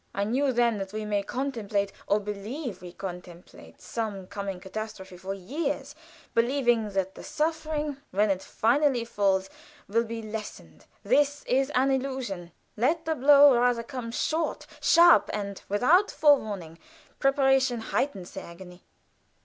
I knew then that we may contemplate, or believe we contemplate, some coming catastrophe for years, believing that so the suffering, when it finally falls, will be lessened. This is a delusion. Let the blow rather come short, sharp, and without forewarning; preparation heightens the agony.